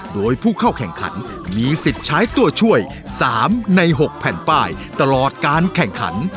โดยผู้เข้าแข่งขันมีสิทธิ์ใช้ตัวช่วย๓ใน๖แผ่นป้ายตลอดการแข่งขัน